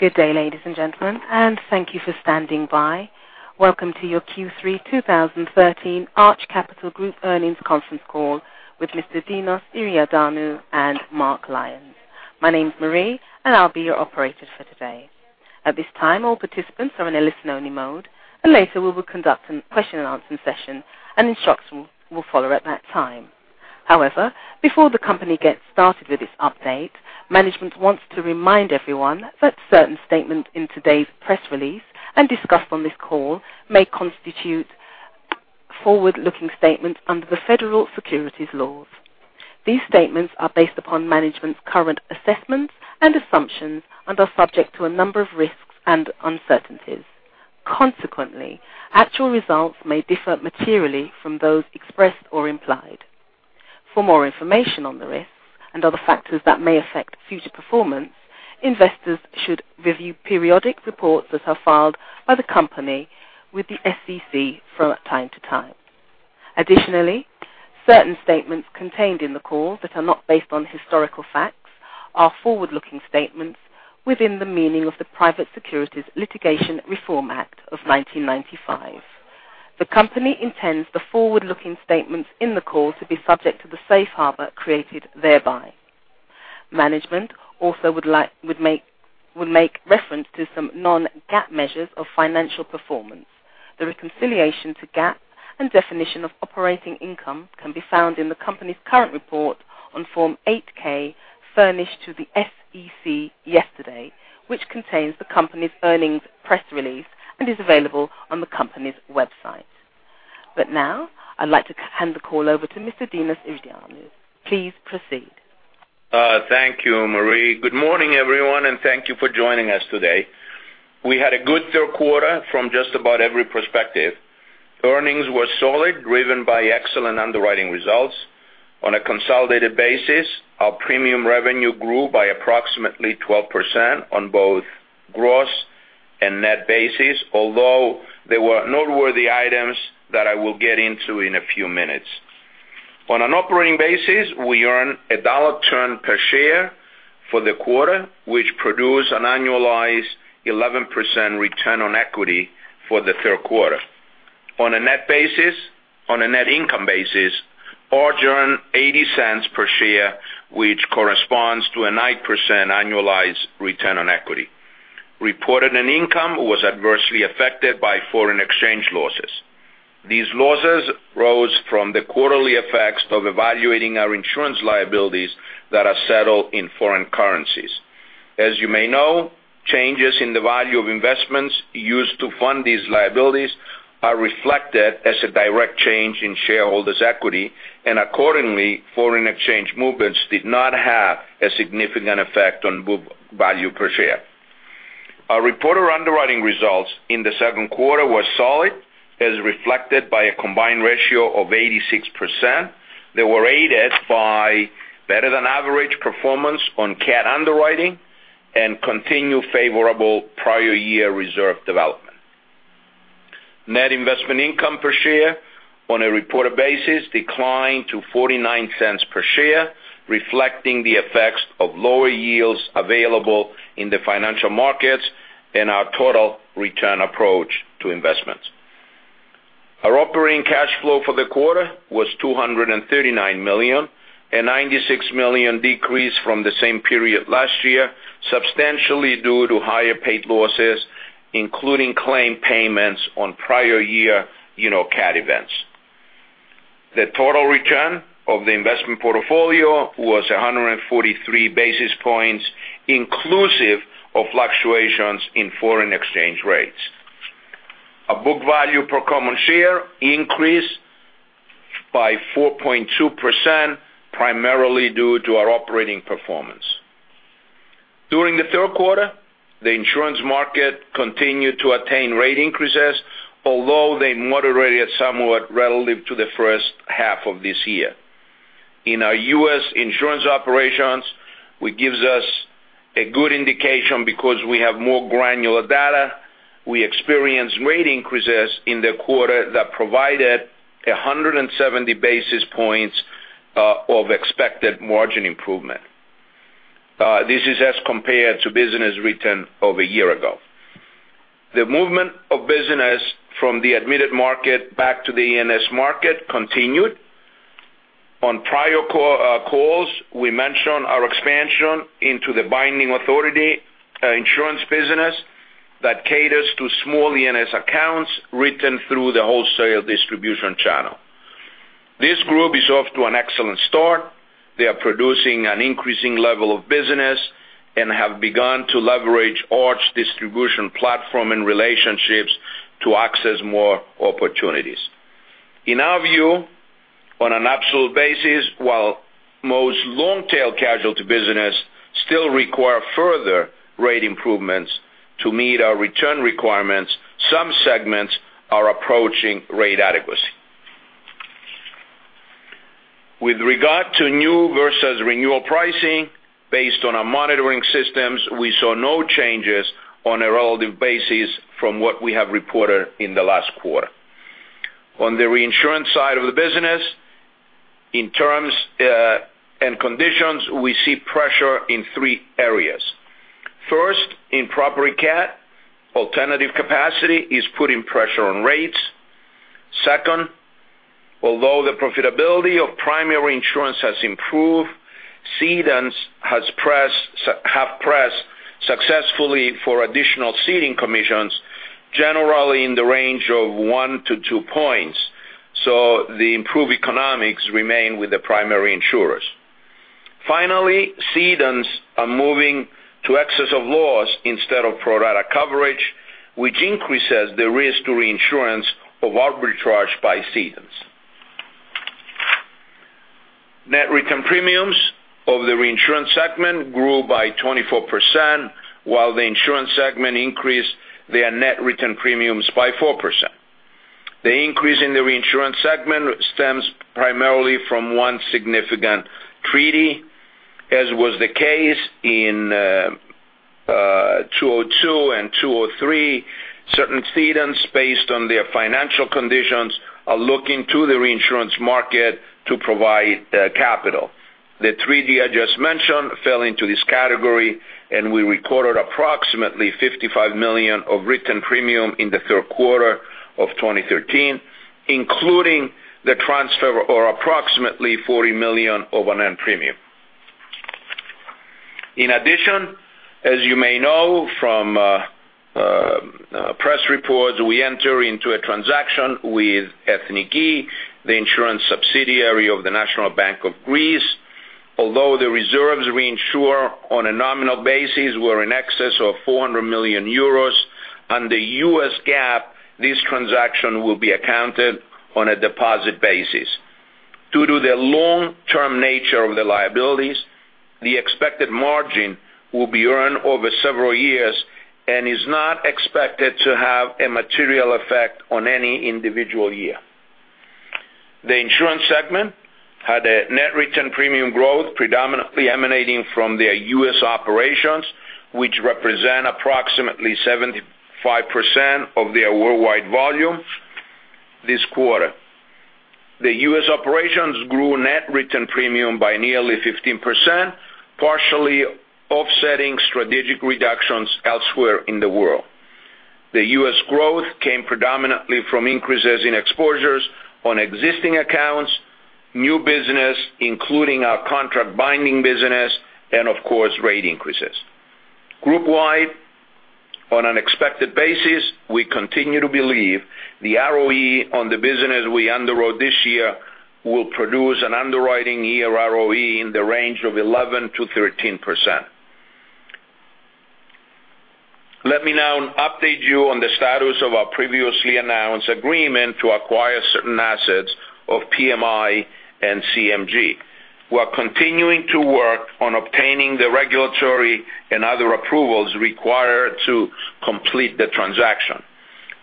Good day, ladies and gentlemen, thank you for standing by. Welcome to your Q3 2013 Arch Capital Group earnings conference call with Mr. Dinos Iordanou and Mark Lyons. My name's Marie, and I'll be your operator for today. At this time, all participants are in a listen-only mode, and later we will conduct a question and answer session, and instructions will follow at that time. Before the company gets started with its update, management wants to remind everyone that certain statements in today's press release and discussed on this call may constitute forward-looking statements under the federal securities laws. These statements are based upon management's current assessments and assumptions and are subject to a number of risks and uncertainties. Consequently, actual results may differ materially from those expressed or implied. For more information on the risks and other factors that may affect future performance, investors should review periodic reports that are filed by the company with the SEC from time to time. Additionally, certain statements contained in the call that are not based on historical facts are forward-looking statements within the meaning of the Private Securities Litigation Reform Act of 1995. The company intends the forward-looking statements in the call to be subject to the safe harbor created thereby. Management also would make reference to some non-GAAP measures of financial performance. The reconciliation to GAAP and definition of operating income can be found in the company's current report on Form 8-K furnished to the SEC yesterday, which contains the company's earnings press release and is available on the company's website. Now, I'd like to hand the call over to Mr. Dinos Iordanou. Please proceed. Thank you, Marie. Good morning, everyone, thank you for joining us today. We had a good third quarter from just about every perspective. Earnings were solid, driven by excellent underwriting results. On a consolidated basis, our premium revenue grew by approximately 12% on both gross and net basis, although there were noteworthy items that I will get into in a few minutes. On an operating basis, we earn $1 per share for the quarter, which produce an annualized 11% return on equity for the third quarter. On a net income basis, Arch earned $0.80 per share, which corresponds to a 9% annualized return on equity. Reported net income was adversely affected by foreign exchange losses. These losses rose from the quarterly effects of evaluating our insurance liabilities that are settled in foreign currencies. As you may know, changes in the value of investments used to fund these liabilities are reflected as a direct change in shareholders' equity. Accordingly, foreign exchange movements did not have a significant effect on book value per share. Our reported underwriting results in the second quarter were solid, as reflected by a combined ratio of 86%. They were aided by better than average performance on cat underwriting and continued favorable prior year reserve development. Net investment income per share on a reported basis declined to $0.49 per share, reflecting the effects of lower yields available in the financial markets and our total return approach to investments. Our operating cash flow for the quarter was $239 million, a $96 million decrease from the same period last year, substantially due to higher paid losses, including claim payments on prior year cat events. The total return of the investment portfolio was 143 basis points, inclusive of fluctuations in foreign exchange rates. Our book value per common share increased by 4.2%, primarily due to our operating performance. During the third quarter, the insurance market continued to attain rate increases, although they moderated somewhat relative to the first half of this year. In our U.S. insurance operations, which gives us a good indication because we have more granular data, we experienced rate increases in the quarter that provided 170 basis points of expected margin improvement. This is as compared to business written over a year ago. The movement of business from the admitted market back to the E&S market continued. On prior calls, we mentioned our expansion into the binding authority insurance business that caters to small E&S accounts written through the wholesale distribution channel. This group is off to an excellent start. They are producing an increasing level of business and have begun to leverage Arch distribution platform and relationships to access more opportunities. In our view, on an absolute basis, while most long-tail casualty business still require further rate improvements to meet our return requirements, some segments are approaching rate adequacy. With regard to new versus renewal pricing, based on our monitoring systems, we saw no changes on a relative basis from what we have reported in the last quarter. On the reinsurance side of the business, in terms and conditions, we see pressure in three areas. First, in property cat, alternative capacity is putting pressure on rates. Second, although the profitability of primary insurance has improved, cedents have pressed successfully for additional ceding commissions, generally in the range of one to two points. The improved economics remain with the primary insurers. Finally, cedents are moving to excess of loss instead of pro rata coverage, which increases the risk to reinsurance of our recharge by cedents. Net written premiums of the reinsurance segment grew by 24%, while the insurance segment increased their net written premiums by 4%. The increase in the reinsurance segment stems primarily from one significant treaty. As was the case in 2002 and 2003, certain cedents, based on their financial conditions, are looking to the reinsurance market to provide capital. The treaty I just mentioned fell into this category, and we recorded approximately $55 million of written premium in the third quarter of 2013, including the transfer of approximately $40 million of unmanned premium. In addition, as you may know from press reports, we enter into a transaction with Ethniki, the insurance subsidiary of the National Bank of Greece. Although the reserves reinsure on a nominal basis were in excess of 400 million euros, under U.S. GAAP, this transaction will be accounted on a deposit basis. Due to the long-term nature of the liabilities, the expected margin will be earned over several years and is not expected to have a material effect on any individual year. The insurance segment had a net written premium growth predominantly emanating from their U.S. operations, which represent approximately 75% of their worldwide volume this quarter. The U.S. operations grew net written premium by nearly 15%, partially offsetting strategic reductions elsewhere in the world. The U.S. growth came predominantly from increases in exposures on existing accounts, new business, including our contract binding business, and of course, rate increases. Group-wide, on an expected basis, we continue to believe the ROE on the business we underwrote this year will produce an underwriting year ROE in the range of 11%-13%. Let me now update you on the status of our previously announced agreement to acquire certain assets of PMI and CMG. We are continuing to work on obtaining the regulatory and other approvals required to complete the transaction.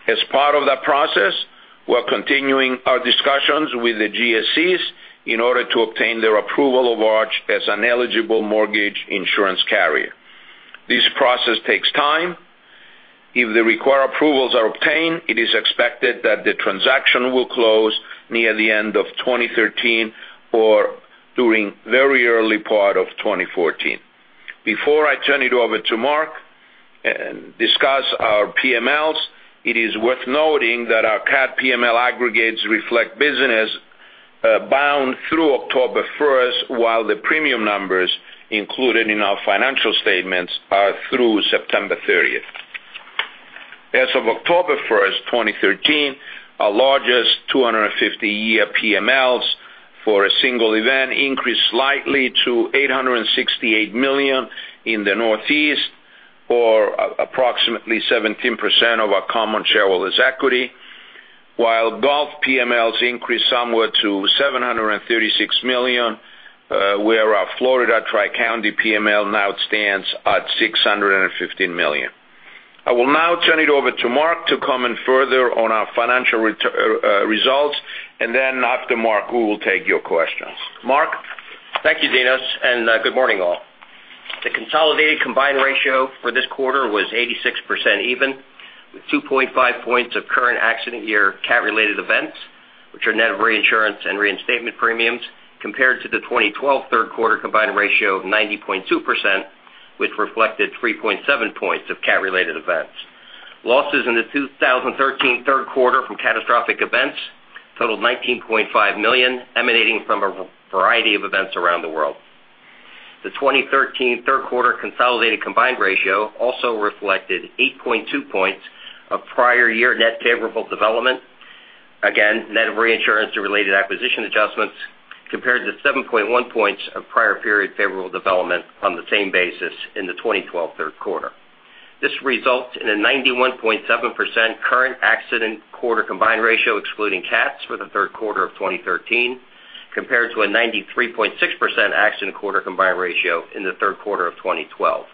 As part of that process, we are continuing our discussions with the GSEs in order to obtain their approval of Arch as an eligible mortgage insurance carrier. This process takes time. If the required approvals are obtained, it is expected that the transaction will close near the end of 2013 or during very early part of 2014. Before I turn it over to Mark and discuss our PMLs, it is worth noting that our cat PML aggregates reflect business bound through October 1st, while the premium numbers included in our financial statements are through September 30th. As of October 1st, 2013, our largest 250-year PMLs for a single event increased slightly to $868 million in the Northeast, or approximately 17% of our common shareholders' equity. While Gulf PMLs increased somewhat to $736 million, where our Florida Tri-County PML now stands at $615 million. I will now turn it over to Mark to comment further on our financial results. Then after Mark, we will take your questions. Mark? Thank you, Dinos, good morning all. The consolidated combined ratio for this quarter was 86% even, with 2.5 points of current accident year cat-related events, which are net of reinsurance and reinstatement premiums, compared to the 2012 third quarter combined ratio of 90.2%, which reflected 3.7 points of cat-related events. Losses in the 2013 third quarter from catastrophic events totaled $19.5 million, emanating from a variety of events around the world. The 2013 third quarter consolidated combined ratio also reflected 8.2 points of prior year net favorable development. Again, net of reinsurance and related acquisition adjustments compared to 7.1 points of prior period favorable development on the same basis in the 2012 third quarter. This results in a 91.7% current accident quarter combined ratio excluding cats for the third quarter of 2013, compared to a 93.6% accident quarter combined ratio in the third quarter of 2012.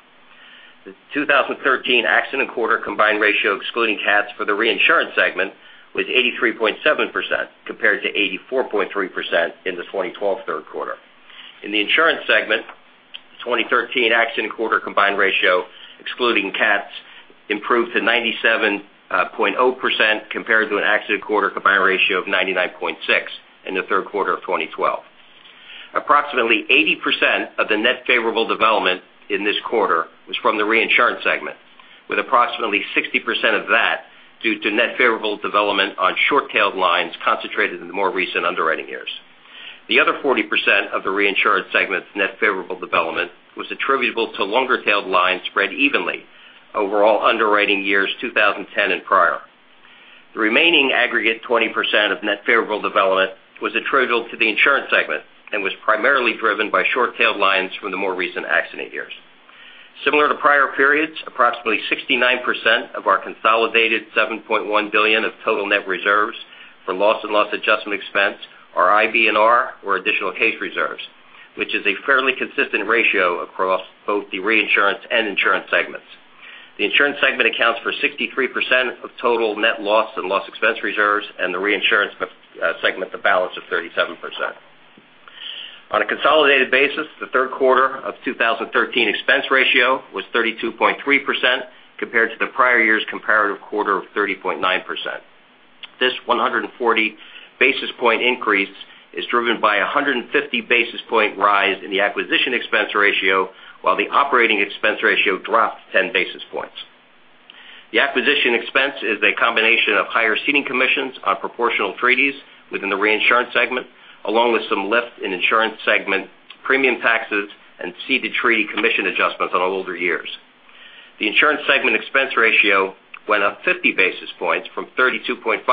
The 2013 accident quarter combined ratio excluding cats for the reinsurance segment was 83.7%, compared to 84.3% in the 2012 third quarter. In the insurance segment 2013 accident quarter combined ratio, excluding cats, improved to 97.0%, compared to an accident quarter combined ratio of 99.6% in the third quarter of 2012. Approximately 80% of the net favorable development in this quarter was from the reinsurance segment, with approximately 60% of that due to net favorable development on short-tailed lines concentrated in the more recent underwriting years. The other 40% of the reinsurance segment's net favorable development was attributable to longer-tailed lines spread evenly over all underwriting years 2010 and prior. The remaining aggregate 20% of net favorable development was attributable to the insurance segment and was primarily driven by short-tailed lines from the more recent accident years. Similar to prior periods, approximately 69% of our consolidated $7.1 billion of total net reserves for loss and loss adjustment expense are IBNR or additional case reserves, which is a fairly consistent ratio across both the reinsurance and insurance segments. The insurance segment accounts for 63% of total net loss and loss expense reserves, and the reinsurance segment, the balance of 37%. On a consolidated basis, the third quarter of 2013 expense ratio was 32.3%, compared to the prior year's comparative quarter of 30.9%. This 140 basis point increase is driven by 150 basis point rise in the acquisition expense ratio, while the operating expense ratio dropped 10 basis points. The acquisition expense is a combination of higher ceding commissions on proportional treaties within the reinsurance segment, along with some lift in insurance segment premium taxes and ceded treaty commission adjustments on older years. The insurance segment expense ratio went up 50 basis points, from 32.5%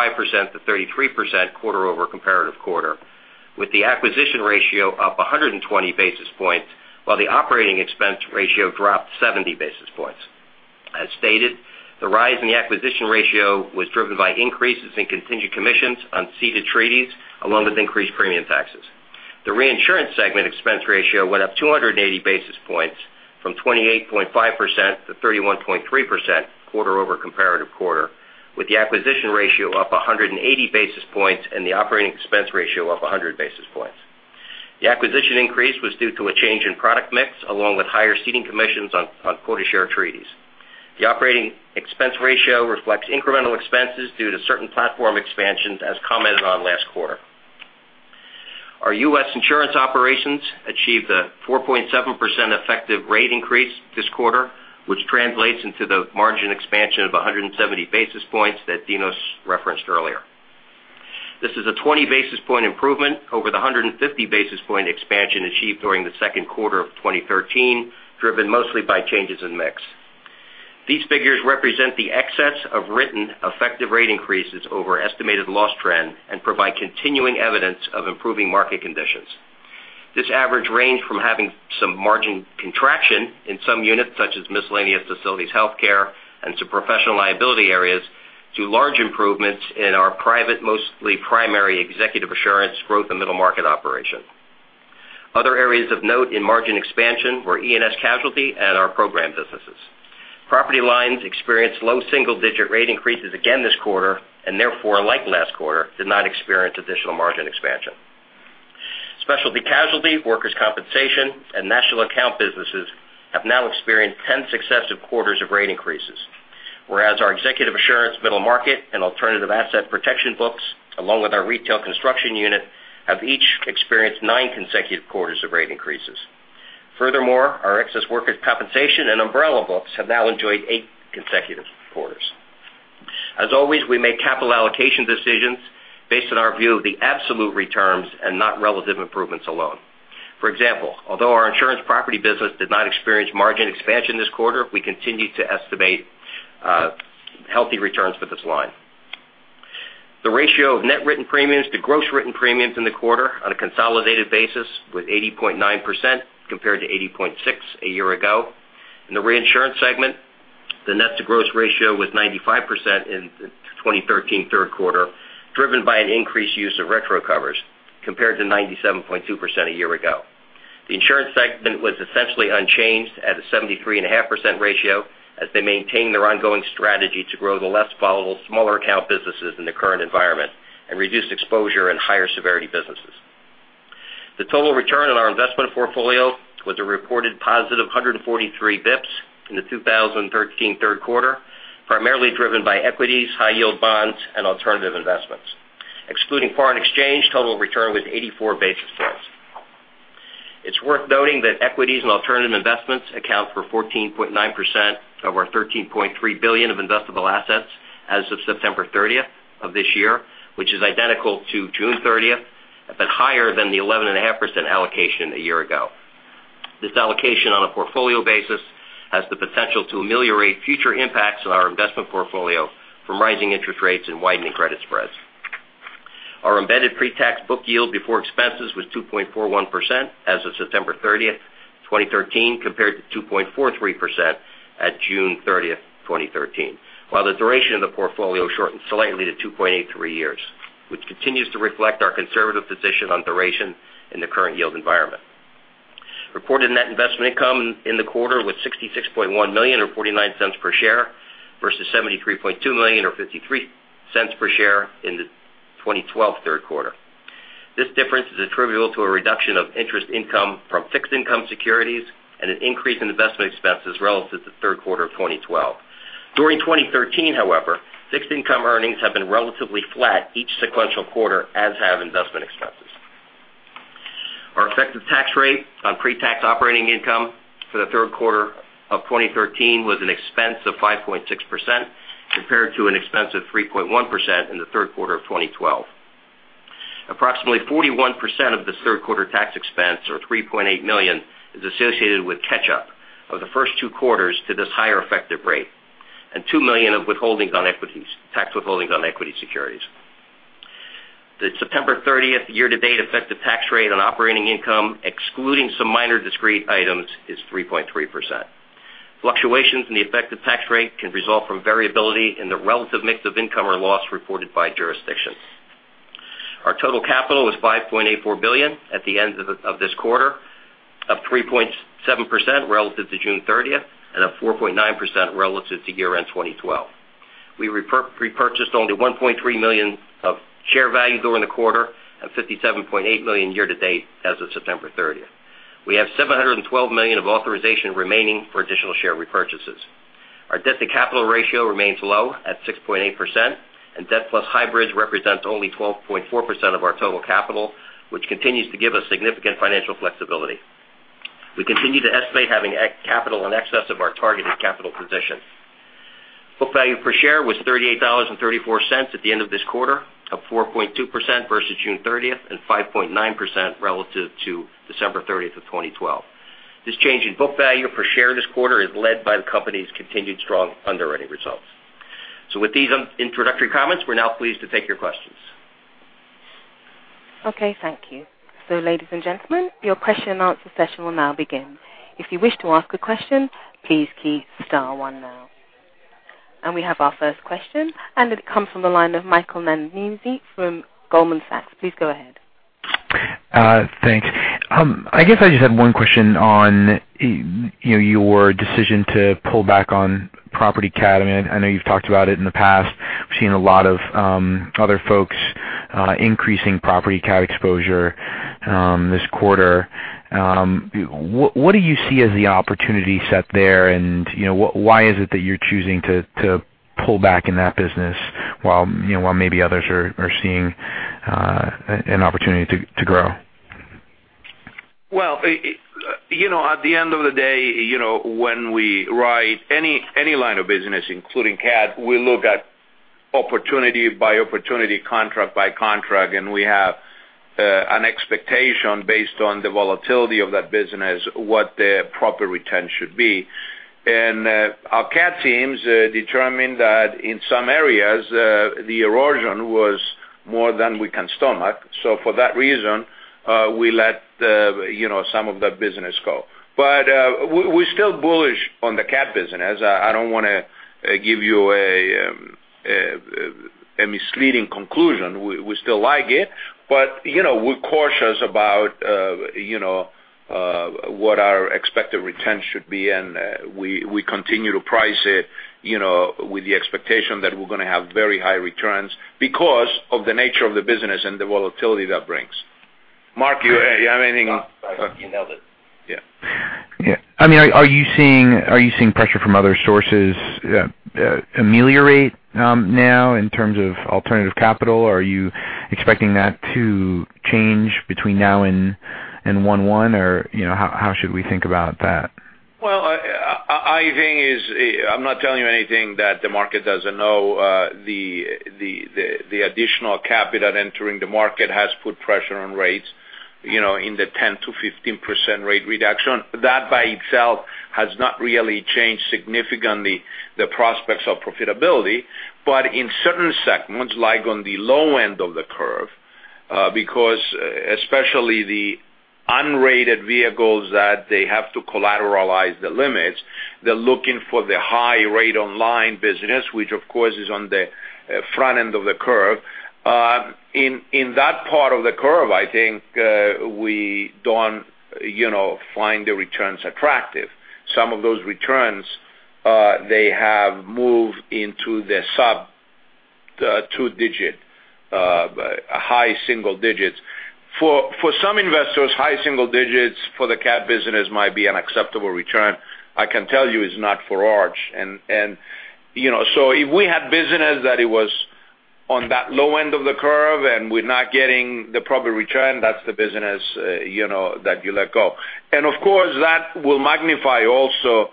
to 33% quarter over comparative quarter, with the acquisition ratio up 120 basis points while the operating expense ratio dropped 70 basis points. As stated, the rise in the acquisition ratio was driven by increases in contingent commissions on ceded treaties, along with increased premium taxes. The reinsurance segment expense ratio went up 280 basis points from 28.5% to 31.3% quarter over comparative quarter, with the acquisition ratio up 180 basis points and the operating expense ratio up 100 basis points. The acquisition increase was due to a change in product mix, along with higher ceding commissions on quota share treaties. The operating expense ratio reflects incremental expenses due to certain platform expansions as commented on last quarter. Our U.S. insurance operations achieved a 4.7% effective rate increase this quarter, which translates into the margin expansion of 170 basis points that Dinos referenced earlier. This is a 20 basis point improvement over the 150 basis point expansion achieved during the second quarter of 2013, driven mostly by changes in mix. These figures represent the excess of written effective rate increases over estimated loss trend and provide continuing evidence of improving market conditions. This average range from having some margin contraction in some units, such as miscellaneous facilities healthcare and to professional liability areas, to large improvements in our private, mostly primary executive assurance growth and middle market operation. Other areas of note in margin expansion were E&S casualty and our program businesses. Property lines experienced low single-digit rate increases again this quarter and therefore, like last quarter, did not experience additional margin expansion. Specialty casualty, workers' compensation, and national account businesses have now experienced 10 successive quarters of rate increases, whereas our executive assurance, middle market, and alternative asset protection books, along with our retail construction unit, have each experienced nine consecutive quarters of rate increases. Furthermore, our excess workers' compensation and umbrella books have now enjoyed eight consecutive quarters. As always, we make capital allocation decisions based on our view of the absolute returns and not relative improvements alone. For example, although our insurance property business did not experience margin expansion this quarter, we continue to estimate healthy returns for this line. The ratio of net written premiums to gross written premiums in the quarter on a consolidated basis was 80.9%, compared to 80.6% a year ago. In the reinsurance segment, the net to gross ratio was 95% in 2013 third quarter, driven by an increased use of retro covers, compared to 97.2% a year ago. The insurance segment was essentially unchanged at a 73.5% ratio as they maintain their ongoing strategy to grow the less volatile, smaller account businesses in the current environment and reduce exposure in higher severity businesses. The total return on our investment portfolio was a reported positive 143 basis points in the 2013 third quarter, primarily driven by equities, high yield bonds, and alternative investments. Excluding foreign exchange, total return was 84 basis points. It's worth noting that equities and alternative investments account for 14.9% of our $13.3 billion of investable assets as of September 30th of this year, which is identical to June 30th, but higher than the 11.5% allocation a year ago. This allocation on a portfolio basis has the potential to ameliorate future impacts on our investment portfolio from rising interest rates and widening credit spreads. Our embedded pre-tax book yield before expenses was 2.41% as of September 30th, 2013, compared to 2.43% at June 30th, 2013, while the duration of the portfolio shortened slightly to 2.83 years, which continues to reflect our conservative position on duration in the current yield environment. Reported net investment income in the quarter was $66.1 million, or $0.49 per share, versus $73.2 million or $0.53 per share in the 2012 third quarter. This difference is attributable to a reduction of interest income from fixed income securities and an increase in investment expenses relative to the third quarter of 2012. During 2013, however, fixed income earnings have been relatively flat each sequential quarter, as have investment expenses. Our effective tax rate on pre-tax operating income for the third quarter of 2013 was an expense of 5.6%, compared to an expense of 3.1% in the third quarter of 2012. Approximately 41% of this third quarter tax expense, or $3.8 million, is associated with catch-up of the first two quarters to this higher effective rate, and $2 million of withholding on equities, tax withholdings on equity securities. The September 30th year-to-date effective tax rate on operating income, excluding some minor discrete items, is 3.3%. Fluctuations in the effective tax rate can result from variability in the relative mix of income or loss reported by jurisdiction. Our total capital was $5.84 billion at the end of this quarter, up 3.7% relative to June 30th, and up 4.9% relative to year-end 2012. We repurchased only $1.3 million of share value during the quarter and $57.8 million year-to-date as of September 30th. We have $712 million of authorization remaining for additional share repurchases. Our debt-to-capital ratio remains low at 6.8%, and debt plus hybrids represents only 12.4% of our total capital, which continues to give us significant financial flexibility. We continue to estimate having capital in excess of our targeted capital position. Book value per share was $38.34 at the end of this quarter, up 4.2% versus June 30th, and 5.9% relative to December 30th of 2012. This change in book value per share this quarter is led by the company's continued strong underwriting results. With these introductory comments, we're now pleased to take your questions. Okay, thank you. Ladies and gentlemen, your question and answer session will now begin. If you wish to ask a question, please key star one now. We have our first question, and it comes from the line of Michael Nannizzi from Goldman Sachs. Please go ahead. Thanks. I guess I just had one question on your decision to pull back on property cat. I know you've talked about it in the past. We've seen a lot of other folks increasing property cat exposure this quarter. What do you see as the opportunity set there, and why is it that you're choosing to pull back in that business while maybe others are seeing an opportunity to grow? Well, at the end of the day, when we write any line of business, including cat, we look at opportunity by opportunity, contract by contract, and we have an expectation based on the volatility of that business, what the proper return should be. Our cat teams determined that in some areas, the erosion was more than we can stomach. For that reason, we let some of that business go. We're still bullish on the cat business. I don't want to give you a misleading conclusion. We still like it, but we're cautious about what our expected return should be, and we continue to price it with the expectation that we're going to have very high returns because of the nature of the business and the volatility that brings. Mark, you have anything? No. You nailed it. Yeah. Yeah. Are you seeing pressure from other sources ameliorate now in terms of alternative capital? Are you expecting that to change between now and 1/1? How should we think about that? I'm not telling you anything that the market doesn't know. The additional capital entering the market has put pressure on rates in the 10%-15% rate reduction. That by itself has not really changed significantly the prospects of profitability, but in certain segments, like on the low end of the curve, because especially the unrated vehicles that they have to collateralize the limits, they're looking for the high rate online business, which, of course, is on the front end of the curve. In that part of the curve, I think we don't find the returns attractive. Some of those returns they have moved into the sub two-digit, high single digits. For some investors, high single digits for the cat business might be an acceptable return. I can tell you it's not for Arch. If we have business that it was on that low end of the curve and we're not getting the proper return, that's the business that you let go. Of course, that will magnify also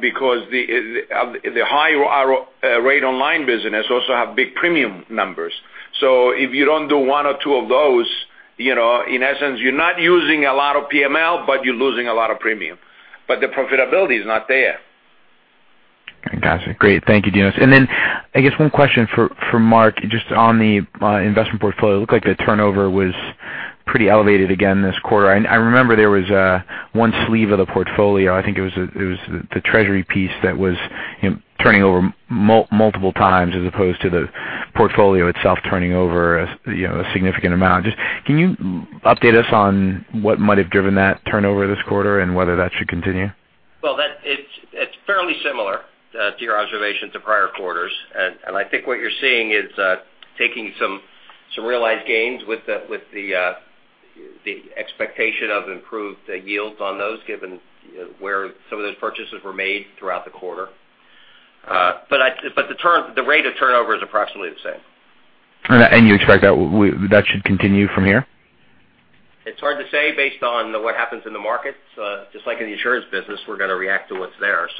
because the higher rate online business also have big premium numbers. If you don't do one or two of those, in essence, you're not using a lot of PML, but you're losing a lot of premium. The profitability is not there. Got it. Great. Thank you, Dinos. I guess one question for Mark, just on the investment portfolio. It looked like the turnover was pretty elevated again this quarter. I remember there was one sleeve of the portfolio, I think it was the treasury piece that was turning over multiple times as opposed to the portfolio itself turning over a significant amount. Just can you update us on what might have driven that turnover this quarter and whether that should continue? Fairly similar to your observations of prior quarters. I think what you're seeing is taking some realized gains with the expectation of improved yields on those, given where some of those purchases were made throughout the quarter. The rate of turnover is approximately the same. You expect that should continue from here? It's hard to say based on what happens in the markets. Just like in the insurance business, we're going to react to what's there. It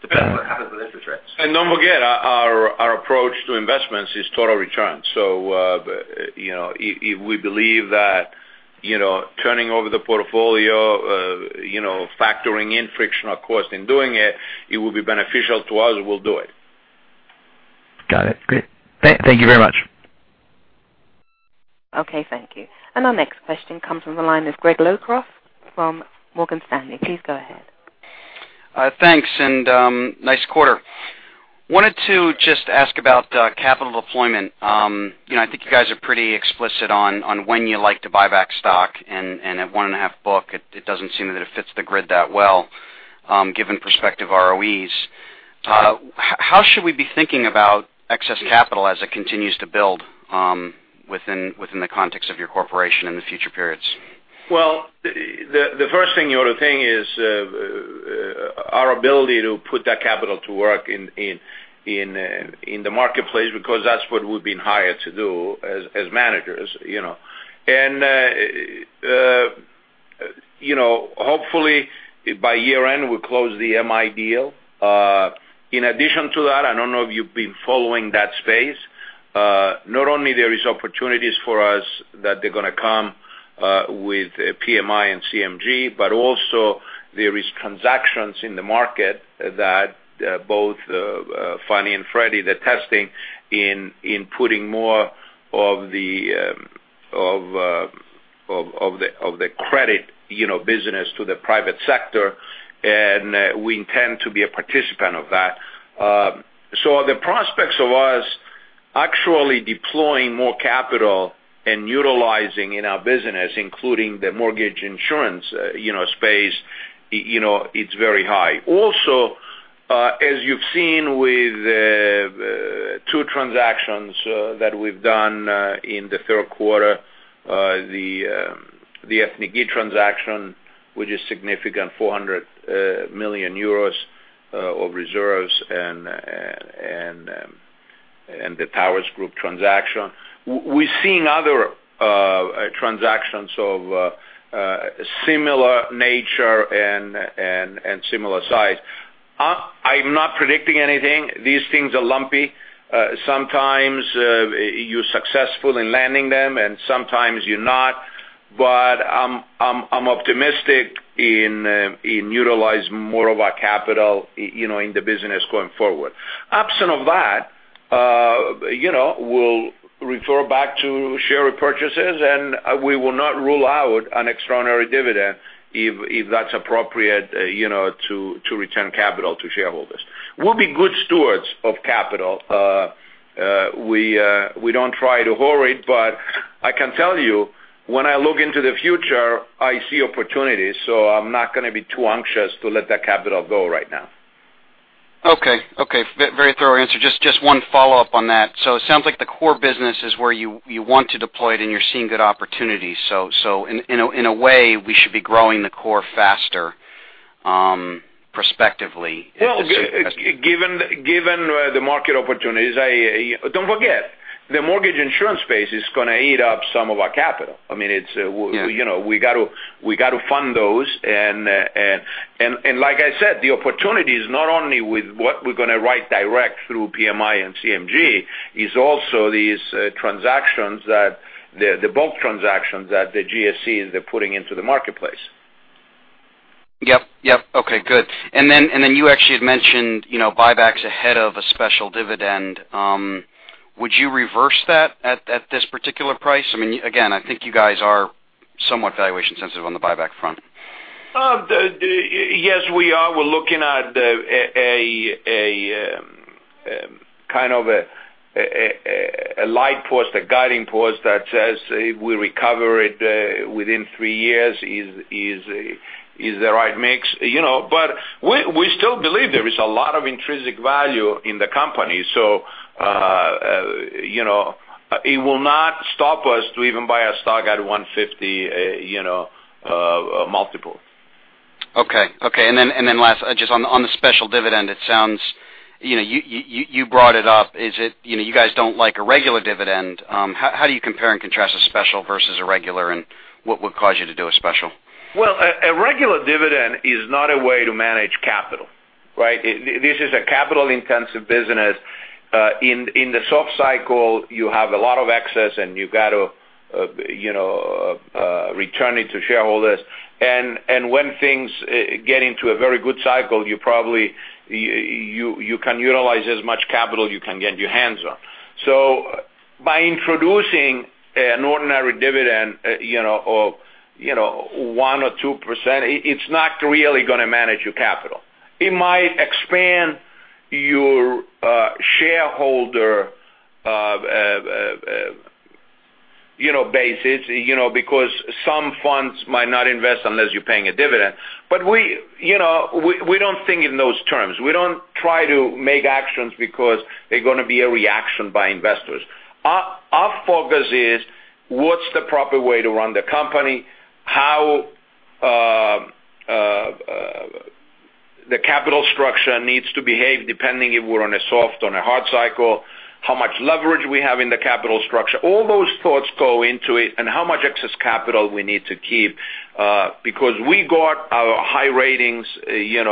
depends what happens with interest rates. Don't forget our approach to investments is total return. If we believe that turning over the portfolio, factoring in frictional cost in doing it will be beneficial to us, we'll do it. Got it. Great. Thank you very much. Thank you. Our next question comes from the line of Greg Locraft from Morgan Stanley. Please go ahead. Thanks, and nice quarter. Wanted to just ask about capital deployment. I think you guys are pretty explicit on when you like to buy back stock, and at one and a half book, it doesn't seem that it fits the grid that well, given prospective ROEs. How should we be thinking about excess capital as it continues to build within the context of your corporation in the future periods? Well, the first thing you ought to think is our ability to put that capital to work in the marketplace, because that's what we've been hired to do as managers. In addition to that, I don't know if you've been following that space. Not only there is opportunities for us that they're going to come with PMI and CMG, but also there is transactions in the market that both Fannie and Freddie, they're testing in putting more of the credit business to the private sector, and we intend to be a participant of that. The prospects of us actually deploying more capital and utilizing in our business, including the mortgage insurance space, it's very high. Also, as you've seen with two transactions that we've done in the third quarter the Ethniki transaction, which is significant, 400 million euros of reserves, and the Tower Group transaction. We're seeing other transactions of similar nature and similar size. I'm not predicting anything. These things are lumpy. Sometimes you're successful in landing them, and sometimes you're not. I'm optimistic in utilizing more of our capital in the business going forward. Absent of that, we'll refer back to share repurchases, and we will not rule out an extraordinary dividend if that's appropriate to return capital to shareholders. We'll be good stewards of capital. We don't try to hoard it, but I can tell you, when I look into the future, I see opportunities. I'm not going to be too anxious to let that capital go right now. Okay. Very thorough answer. Just one follow-up on that. It sounds like the core business is where you want to deploy it and you're seeing good opportunities. In a way, we should be growing the core faster, perspectively. Well, given the market opportunities. Don't forget, the mortgage insurance space is going to eat up some of our capital. Yeah. We got to fund those, and like I said, the opportunity is not only with what we're going to write direct through PMI and CMG. It's also these transactions, the bulk transactions that the GSEs are putting into the marketplace. Yep. Okay, good. You actually had mentioned buybacks ahead of a special dividend. Would you reverse that at this particular price? Again, I think you guys are somewhat valuation sensitive on the buyback front. Yes, we are. We're looking at a kind of a light post, a guiding post that says if we recover it within three years is the right mix. We still believe there is a lot of intrinsic value in the company. It will not stop us to even buy our stock at 1.50 multiple. Okay. Last, just on the special dividend, you brought it up. You guys don't like a regular dividend. How do you compare and contrast a special versus a regular, and what would cause you to do a special? Well, a regular dividend is not a way to manage capital, right? This is a capital-intensive business. In the soft cycle, you have a lot of excess, and you got to return it to shareholders. When things get into a very good cycle, you can utilize as much capital you can get your hands on. By introducing an ordinary dividend of 1% or 2%, it's not really going to manage your capital. It might expand your shareholder basis, because some funds might not invest unless you're paying a dividend. We don't think in those terms. We don't try to make actions because they're going to be a reaction by investors. Our focus is what's the proper way to run the company? How the capital structure needs to behave depending if we're on a soft or on a hard cycle, how much leverage we have in the capital structure. All those thoughts go into it, and how much excess capital we need to keep, because we got our high ratings, and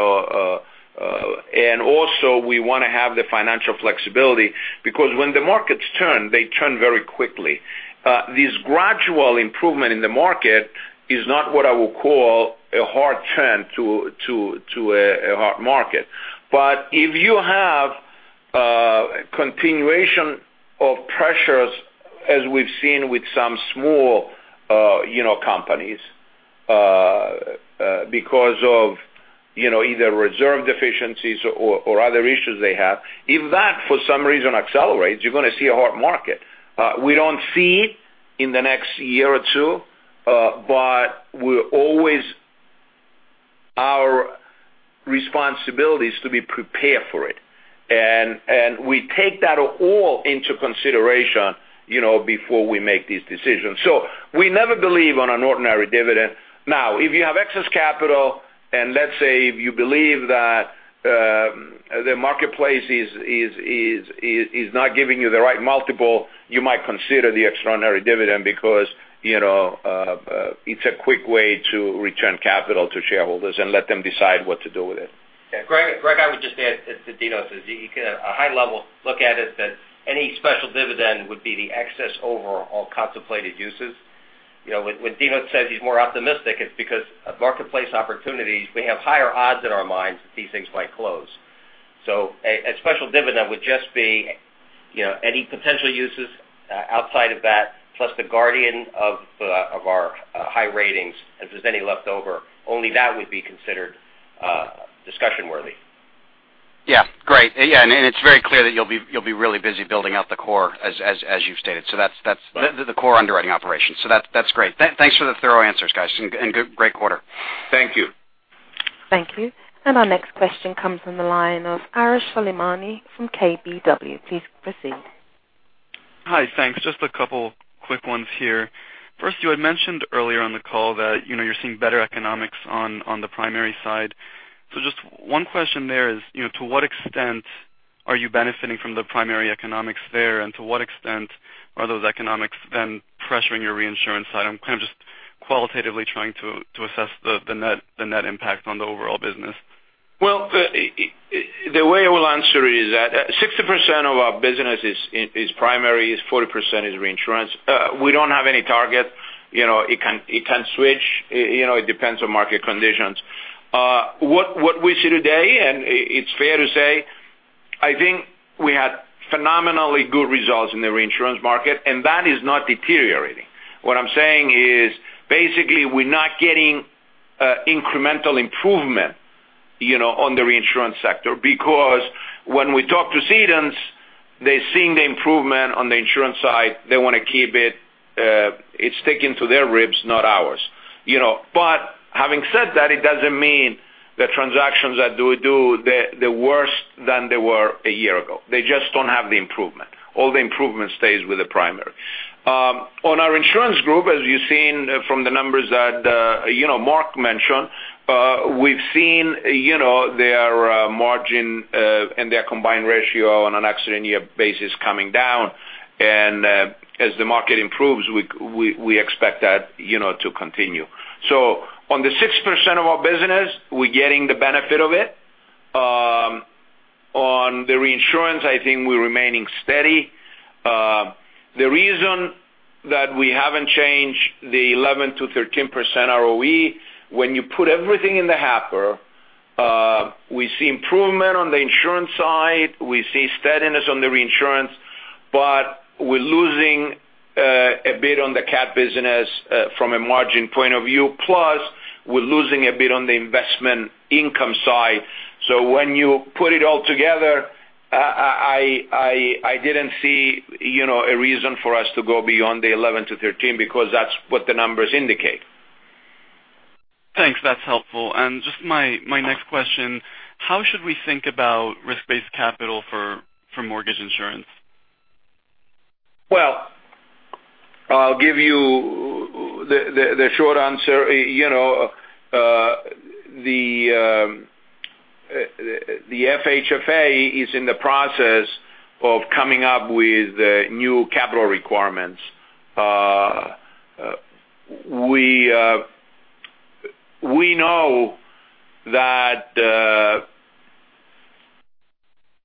also we want to have the financial flexibility, because when the markets turn, they turn very quickly. This gradual improvement in the market is not what I would call a hard turn to a hard market. If you have a continuation of pressures, as we've seen with some small companies, because of either reserve deficiencies or other issues they have. If that, for some reason, accelerates, you're going to see a hard market. We don't see it in the next year or two, but our responsibility is to be prepared for it. We take that all into consideration before we make these decisions. We never believe on an ordinary dividend. Now, if you have excess capital and let's say if you believe that the marketplace is not giving you the right multiple, you might consider the extraordinary dividend because it's a quick way to return capital to shareholders and let them decide what to do with it. Yeah. Greg, I would just add to what Dinos said, you get a high-level look at it that any special dividend would be the excess over all contemplated uses. When Dinos says he's more optimistic, it's because of marketplace opportunities. We have higher odds in our minds that these things might close. A special dividend would just be any potential uses outside of that, plus the guardian of our high ratings. If there's any leftover, only that would be considered discussion worthy. Yeah. Great. Yeah, it's very clear that you'll be really busy building out the core as you've stated. That's the core underwriting operation. That's great. Thanks for the thorough answers, guys, and great quarter. Thank you. Thank you. Our next question comes from the line of Arash Soleimani from KBW. Please proceed. Hi. Thanks. Just a couple quick ones here. First, you had mentioned earlier on the call that you're seeing better economics on the primary side. Just one question there is, to what extent are you benefiting from the primary economics there, and to what extent are those economics then pressuring your reinsurance side? I'm kind of just qualitatively trying to assess the net impact on the overall business. Well, the way I will answer is that 60% of our business is primary, 40% is reinsurance. We don't have any target. It can switch. It depends on market conditions. What we see today, and it's fair to say, I think we had phenomenally good results in the reinsurance market, and that is not deteriorating. What I'm saying is, basically we're not getting incremental improvement on the reinsurance sector because when we talk to cedants, they're seeing the improvement on the insurance side. They want to keep it. It's sticking to their ribs, not ours. Having said that, it doesn't mean the transactions that we do, they're worse than they were a year ago. They just don't have the improvement. All the improvement stays with the primary. On our insurance group, as you've seen from the numbers that Mark mentioned, we've seen their margin and their combined ratio on an accident year basis coming down. As the market improves, we expect that to continue. On the 60% of our business, we're getting the benefit of it. On the reinsurance, I think we're remaining steady. The reason that we haven't changed the 11%-13% ROE, when you put everything in the hopper, we see improvement on the insurance side, we see steadiness on the reinsurance, but we're losing a bit on the cat business from a margin point of view. We're losing a bit on the investment income side. When you put it all together, I didn't see a reason for us to go beyond the 11-13 because that's what the numbers indicate. Thanks. That's helpful. Just my next question, how should we think about risk-based capital for mortgage insurance? I'll give you the short answer. The FHFA is in the process of coming up with new capital requirements. We know that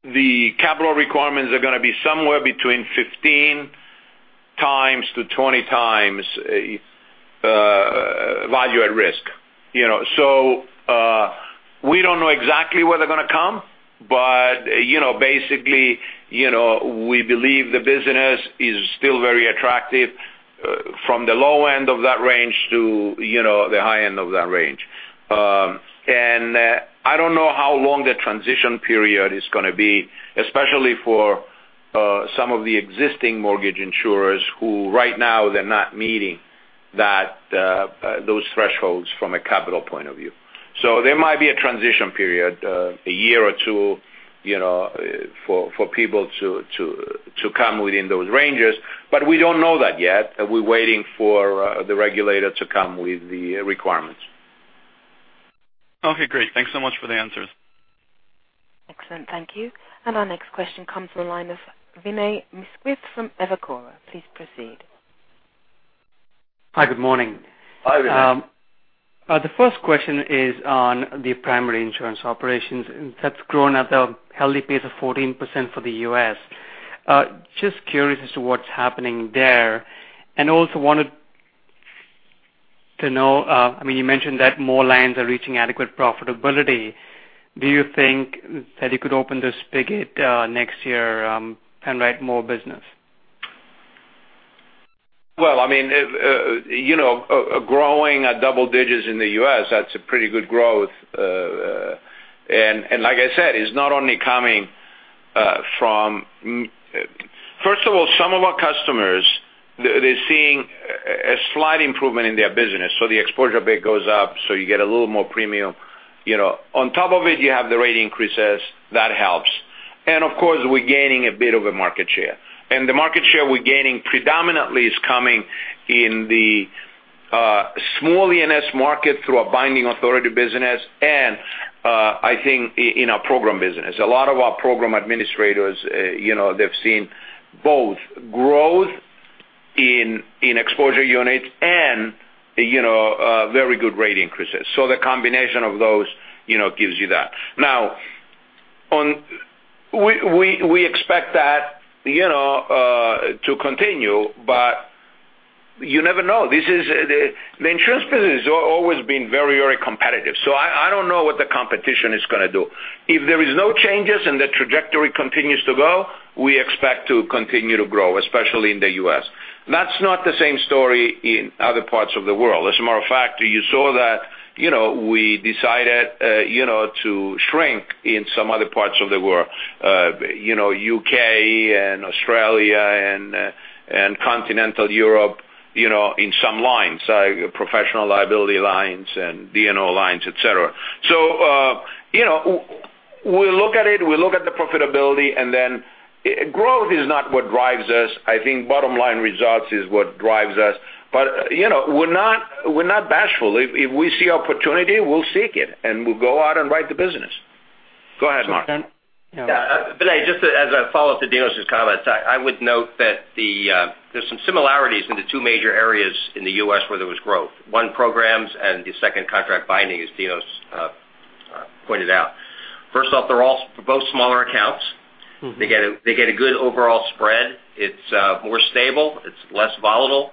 the capital requirements are going to be somewhere between 15 times to 20 times value at risk. We don't know exactly where they're going to come, but basically, we believe the business is still very attractive from the low end of that range to the high end of that range. I don't know how long the transition period is going to be, especially for some of the existing mortgage insurers who right now they're not meeting those thresholds from a capital point of view. There might be a transition period, a year or two for people to come within those ranges. We don't know that yet. We're waiting for the regulator to come with the requirements. Great. Thanks so much for the answers. Excellent. Thank you. Our next question comes from the line of Vinay Misquith from Evercore. Please proceed. Hi. Good morning. Hi, Vinay. The first question is on the primary insurance operations. That's grown at a healthy pace of 14% for the U.S. Just curious as to what's happening there. Also wanted to know, you mentioned that more lines are reaching adequate profitability. Do you think that you could open this spigot next year and write more business? Well, growing at double-digits in the U.S., that's a pretty good growth. First of all, some of our customers, they're seeing a slight improvement in their business. The exposure bit goes up, so you get a little more premium. On top of it, you have the rate increases. That helps. Of course, we're gaining a bit of a market share. The market share we're gaining predominantly is coming in the small E&S market through our binding authority business and I think in our program business. A lot of our program administrators, they've seen both growth in exposure units and very good rate increases. The combination of those gives you that. We expect that to continue, but you never know. The insurance business has always been very competitive, so I don't know what the competition is going to do. If there is no changes and the trajectory continues to go, we expect to continue to grow, especially in the U.S. That's not the same story in other parts of the world. As a matter of fact, you saw that we decided to shrink in some other parts of the world. U.K. and Australia and Continental Europe in some lines, professional liability lines and D&O lines, et cetera. We look at it, we look at the profitability, and then growth is not what drives us. I think bottom line results is what drives us. We're not bashful. If we see opportunity, we'll seek it and we'll go out and write the business. Go ahead, Mark. Thanks, Vinay. Yeah, Vinay, just as a follow-up to Dinos's comments, I would note that there's some similarities in the two major areas in the U.S. where there was growth. One, programs, and the second, contract binding, as Dinos pointed out. First off, they're both smaller accounts. They get a good overall spread. It's more stable. It's less volatile.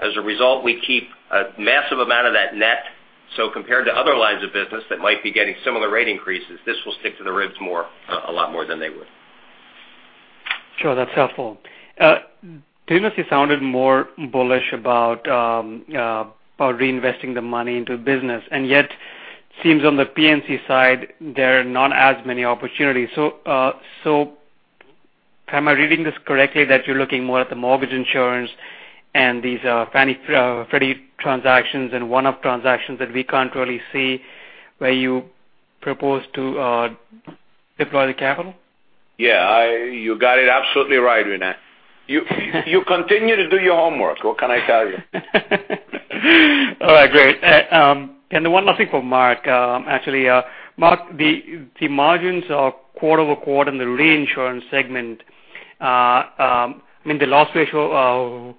As a result, we keep a massive amount of that net. Compared to other lines of business that might be getting similar rate increases, this will stick to the ribs a lot more than they would. Sure. That's helpful. Dinos, you sounded more bullish about reinvesting the money into business, and yet seems on the P&C side, there are not as many opportunities. Am I reading this correctly that you're looking more at the mortgage insurance and these Fannie Freddie transactions and one-off transactions that we can't really see where you propose to deploy the capital? Yeah. You got it absolutely right, Vinay. You continue to do your homework. What can I tell you? All right, great. One last thing for Mark. Actually, Mark, the margins are quarter-over-quarter in the reinsurance segment. I mean, the loss ratio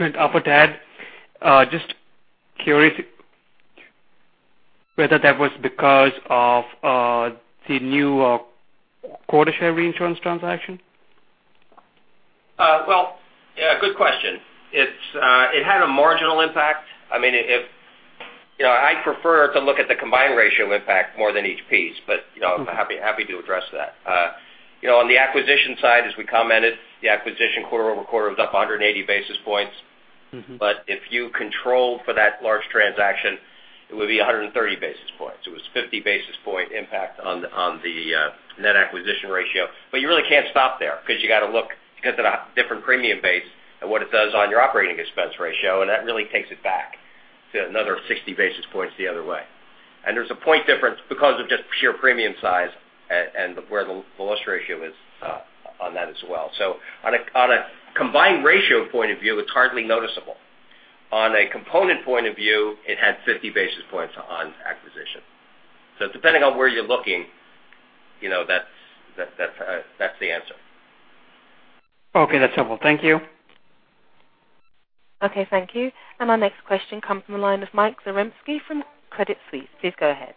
went up a tad. Just curious whether that was because of the new quota share reinsurance transaction? Well, yeah, good question. It had a marginal impact. I'd prefer to look at the combined ratio impact more than each piece, but I'm happy to address that. On the acquisition side, as we commented, the acquisition quarter-over-quarter was up 180 basis points. If you control for that large transaction, it would be 130 basis points. It was 50 basis point impact on the net acquisition ratio. You really can't stop there because you got to look because of the different premium base and what it does on your operating expense ratio, and that really takes it back to another 60 basis points the other way. There's a point difference because of just pure premium size and where the loss ratio is on that as well. On a combined ratio point of view, it's hardly noticeable. On a component point of view, it had 50 basis points on acquisition. Depending on where you're looking, that's the answer. Okay. That's helpful. Thank you. Okay. Thank you. Our next question comes from the line of Michael Zaremski from Credit Suisse. Please go ahead.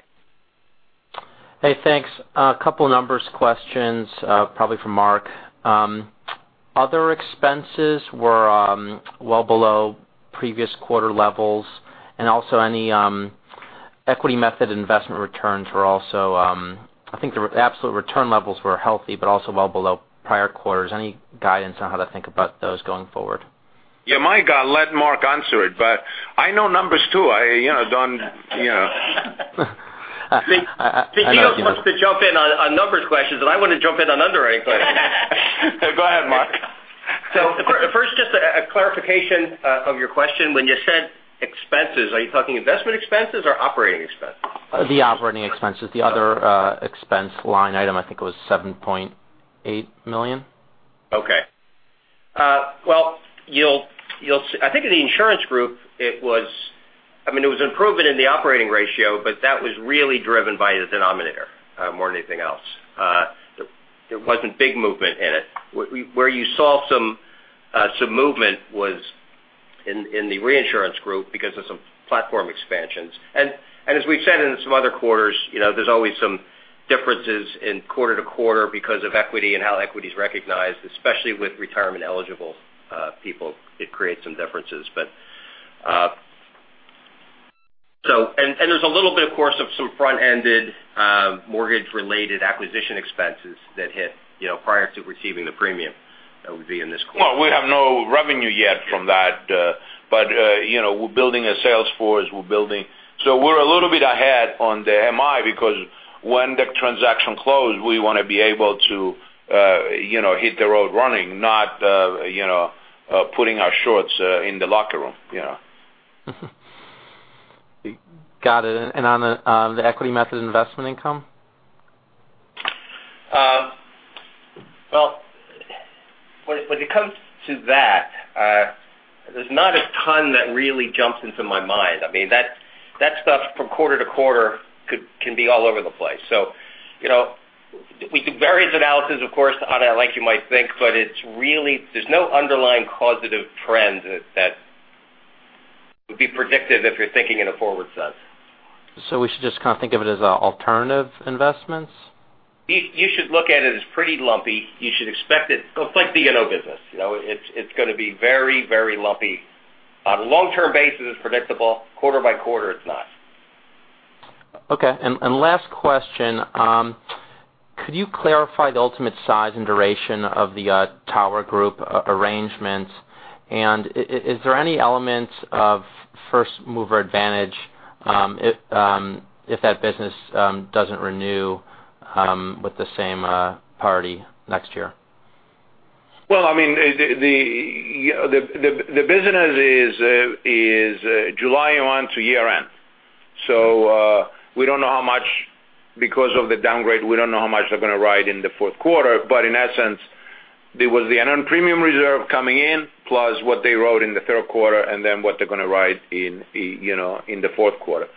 Hey, thanks. A couple of numbers questions, probably for Mark. Other expenses were well below previous quarter levels, and also any equity method investment returns were also, I think the absolute return levels were healthy, but also well below prior quarters. Any guidance on how to think about those going forward? Yeah, Mike, let Mark answer it, but I know numbers, too. I got you now. The CEO wants to jump in on numbers questions, and I want to jump in on underwriting questions. Go ahead, Mark. First, just a clarification of your question. When you said expenses, are you talking investment expenses or operating expenses? The operating expenses. The other expense line item, I think it was $7.8 million. Okay. Well, I think in the insurance group, it was an improvement in the operating ratio, but that was really driven by the denominator, more than anything else. There wasn't big movement in it. Where you saw some movement was in the reinsurance group because of some platform expansions. As we've said in some other quarters, there's always some differences in quarter to quarter because of equity and how equity's recognized, especially with retirement eligible people. It creates some differences. There's a little bit, of course, of some front-ended mortgage related acquisition expenses that hit prior to receiving the premium that would be in this quarter. We have no revenue yet from that. We're building a sales force. We're a little bit ahead on the MI because when the transaction closed, we want to be able to hit the road running, not putting our shorts in the locker room. Got it. On the equity method investment income? When it comes to that, there's not a ton that really jumps into my mind. That stuff from quarter to quarter can be all over the place. We do various analysis, of course, on it, like you might think, but there's no underlying causative trend that would be predictive if you're thinking in a forward sense. We should just kind of think of it as alternative investments? You should look at it as pretty lumpy. You should expect it. It's like the D&O business. It's going to be very, very lumpy. On a long-term basis, it's predictable. Quarter by quarter, it's not. Okay. Last question, could you clarify the ultimate size and duration of the Tower Group arrangement? Is there any element of first mover advantage, if that business doesn't renew with the same party next year? Well, the business is July 1 to year end. Because of the downgrade, we don't know how much they're going to write in the fourth quarter. In essence, there was the unearned premium reserve coming in, plus what they wrote in the third quarter, what they're going to write in the fourth quarter.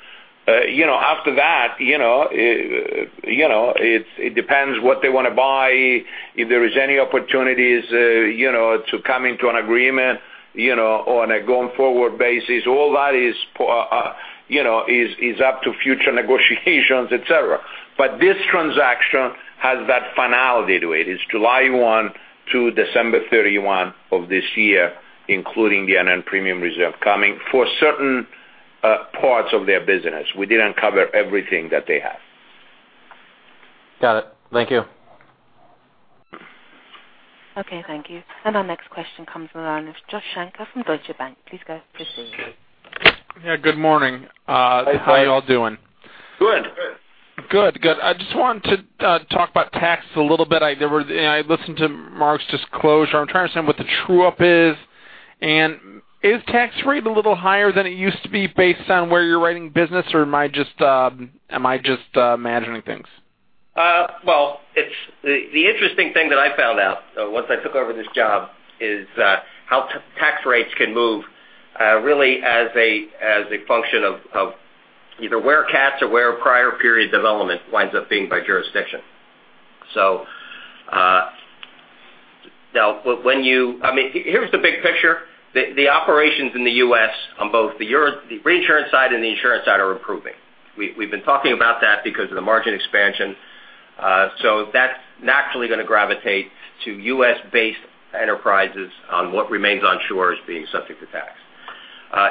After that, it depends what they want to buy, if there is any opportunities to come into an agreement on a going forward basis. All that is up to future negotiations, et cetera. This transaction has that finality to it. It's July 1 to December 31 of this year, including the unearned premium reserve coming for certain parts of their business. We didn't cover everything that they have. Got it. Thank you. Okay, thank you. Our next question comes from the line of Joshua Shanker from Deutsche Bank. Please go ahead. Proceed. Yeah, good morning. Hi. How are you all doing? Good. Good. Good. I just wanted to talk about tax a little bit. I listened to Mark's disclosure. I'm trying to understand what the true-up is and is tax rate a little higher than it used to be based on where you're writing business, or am I just imagining things? Well, the interesting thing that I found out once I took over this job is how tax rates can move really as a function of either where cat or where prior period development winds up being by jurisdiction. Here's the big picture. The operations in the U.S. on both the reinsurance side and the insurance side are improving. We've been talking about that because of the margin expansion. That's naturally going to gravitate to U.S.-based enterprises on what remains onshore as being subject to tax.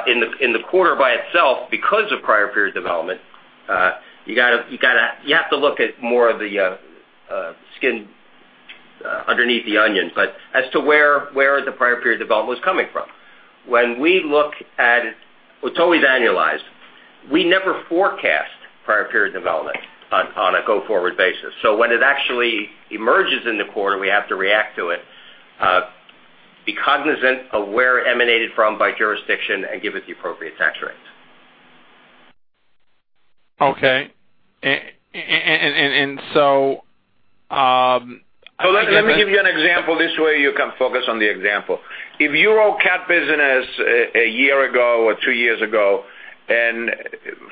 In the quarter by itself because of prior period development, you have to look at more of the skin underneath the onion as to where the prior period development was coming from. It's always annualized. We never forecast prior period development on a go-forward basis. When it actually emerges in the quarter, we have to react to it, be cognizant of where it emanated from by jurisdiction, and give it the appropriate tax rates. Okay. Let me give you an example. This way you can focus on the example. If you wrote cat business a year ago or two years ago, and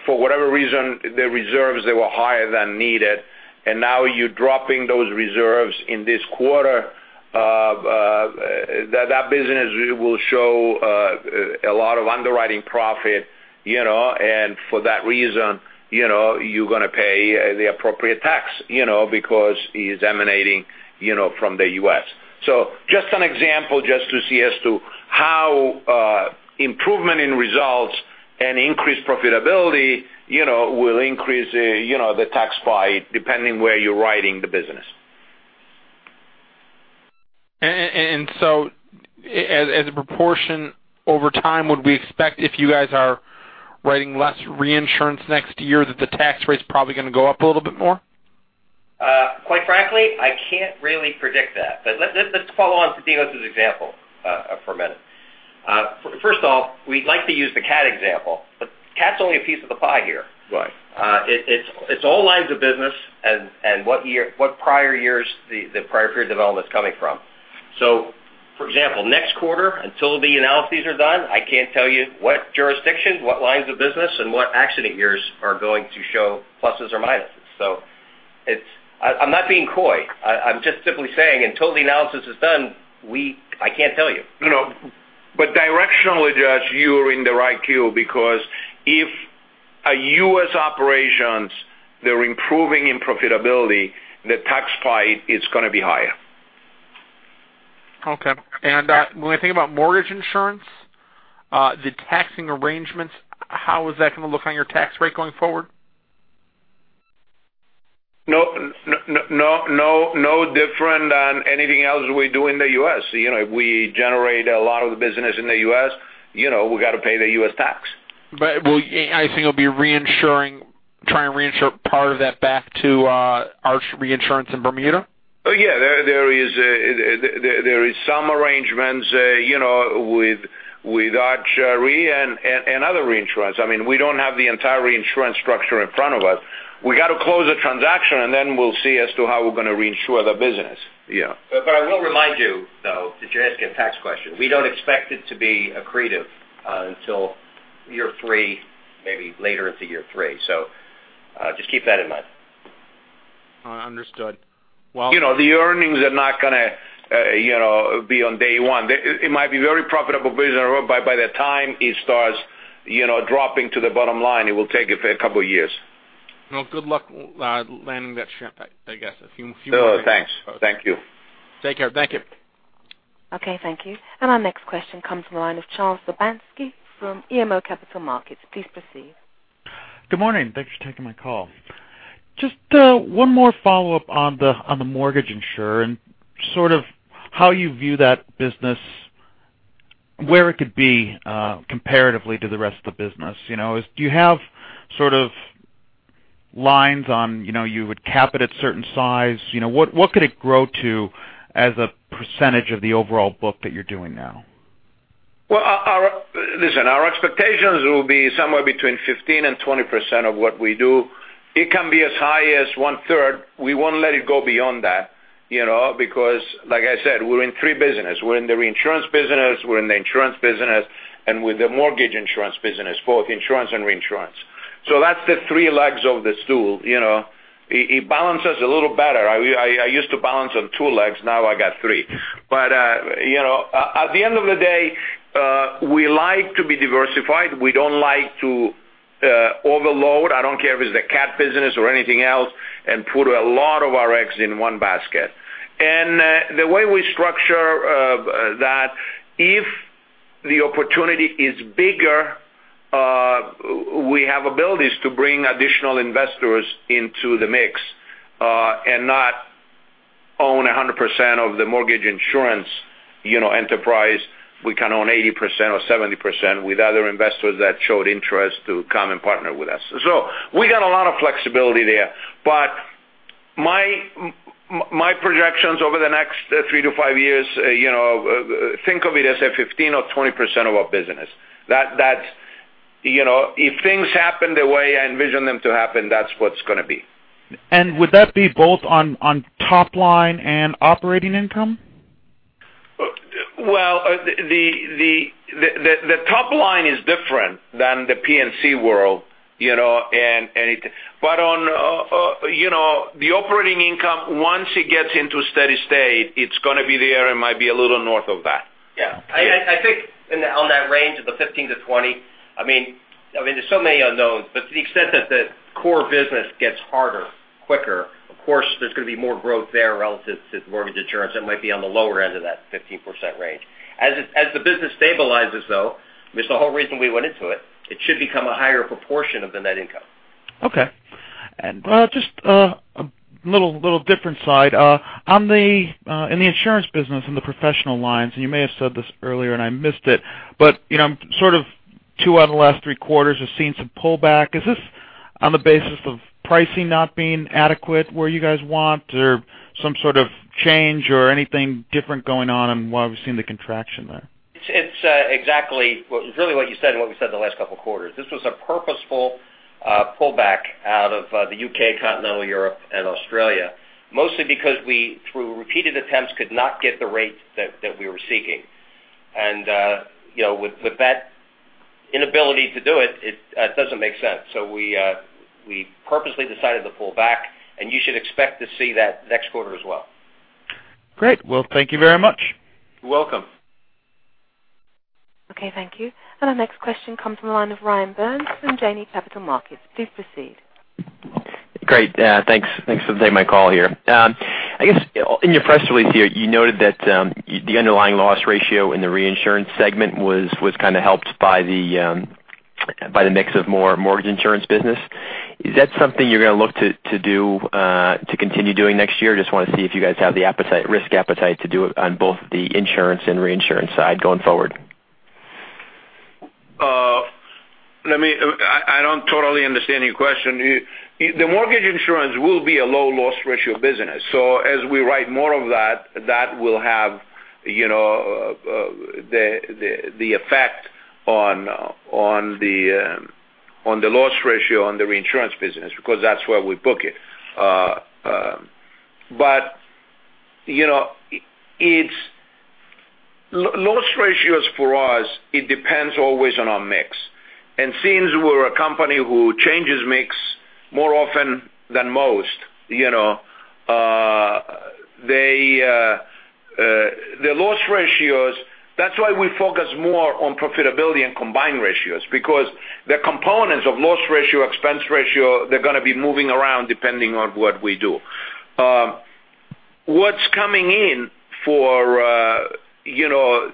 for whatever reason, the reserves were higher than needed, and now you're dropping those reserves in this quarter, that business will show a lot of underwriting profit. For that reason you're going to pay the appropriate tax because it's emanating from the U.S. Just an example just to see as to how improvement in results and increased profitability will increase the tax bite depending where you're writing the business. As a proportion over time, would we expect if you guys are writing less reinsurance next year that the tax rate's probably going to go up a little bit more? Quite frankly, I can't really predict that. Let's follow on Dinos' example for a minute. First of all, we'd like to use the cat example, but cat's only a piece of the pie here. Right. It's all lines of business and what prior years the prior period development's coming from. For example, next quarter until the analyses are done, I can't tell you what jurisdiction, what lines of business, and what accident years are going to show pluses or minuses. I'm not being coy. I'm just simply saying until the analysis is done, I can't tell you. No. Directionally, Josh, you're in the right queue because if a U.S. operations, they're improving in profitability, the tax bite is going to be higher. Okay. When I think about mortgage insurance, the taxing arrangements, how is that going to look on your tax rate going forward? No different than anything else we do in the U.S. If we generate a lot of the business in the U.S., we got to pay the U.S. tax. Will anything will be try and reinsure part of that back to Arch Reinsurance in Bermuda? Yeah. There is some arrangements with Arch Re and other reinsurance. We don't have the entire reinsurance structure in front of us. We got to close the transaction, then we'll see as to how we're going to reinsure the business. I will remind you, though, that you're asking a tax question. We don't expect it to be accretive until year three, maybe later into year three. Just keep that in mind. Understood. The earnings are not going to be on day one. It might be very profitable business, but by the time it starts dropping to the bottom line, it will take a couple of years. Well, good luck landing that ship, I guess. No, thanks. Thank you. Take care. Thank you. Okay. Thank you. Our next question comes from the line of Charles Urbanski from BMO Capital Markets. Please proceed. Good morning. Thanks for taking my call. Just one more follow-up on the mortgage insurer and sort of how you view that business, where it could be comparatively to the rest of the business. Do you have sort of lines on you would cap it at certain size? What could it grow to as a % of the overall book that you're doing now? Well, listen, our expectations will be somewhere between 15% and 20% of what we do. It can be as high as one-third. We won't let it go beyond that, because like I said, we're in three businesses. We're in the reinsurance business, we're in the insurance business, and we're in the mortgage insurance business, both insurance and reinsurance. That's the three legs of the stool. It balances a little better. I used to balance on two legs, now I got three. At the end of the day, we like to be diversified. We don't like to overload, I don't care if it's the cat business or anything else, and put a lot of our eggs in one basket. The way we structure that, if the opportunity is bigger, we have abilities to bring additional investors into the mix, and not own 100% of the mortgage insurance enterprise. We can own 80% or 70% with other investors that showed interest to come and partner with us. We got a lot of flexibility there, but my projections over the next three to five years, think of it as a 15% or 20% of our business. If things happen the way I envision them to happen, that's what it's going to be. Would that be both on top line and operating income? Well, the top line is different than the P&C world. On the operating income, once it gets into a steady state, it's going to be there. It might be a little north of that. Yeah. I think on that range of the 15-20, there's so many unknowns. To the extent that the core business gets harder quicker, of course, there's going to be more growth there relative to mortgage insurance. That might be on the lower end of that 15% range. As the business stabilizes, though, which is the whole reason we went into it should become a higher proportion of the net income. Okay. Just a little different side. In the insurance business, in the professional lines, you may have said this earlier and I missed it. Sort of two out of the last three quarters have seen some pullback. Is this on the basis of pricing not being adequate where you guys want or some sort of change or anything different going on and why we've seen the contraction there? It's exactly what you said and what we said in the last couple of quarters. This was a purposeful pullback out of the U.K., continental Europe, and Australia, mostly because we, through repeated attempts, could not get the rate that we were seeking. With that inability to do it doesn't make sense. We purposely decided to pull back, and you should expect to see that next quarter as well. Great. Thank you very much. You're welcome. Okay. Thank you. Our next question comes from the line of Ryan Burns from Janney Montgomery Scott. Please proceed. Great. Thanks for taking my call here. I guess, in your press release here, you noted that the underlying loss ratio in the reinsurance segment was kind of helped by the mix of more mortgage insurance business. Is that something you're going to look to continue doing next year? Just want to see if you guys have the risk appetite to do it on both the insurance and reinsurance side going forward. I don't totally understand your question. The mortgage insurance will be a low loss ratio business. As we write more of that will have the effect on the loss ratio on the reinsurance business, because that's where we book it. Loss ratios for us, it depends always on our mix. Since we're a company who changes mix more often than most, the loss ratios, that's why we focus more on profitability and combined ratios, because the components of loss ratio, expense ratio, they're going to be moving around depending on what we do. What's coming in for the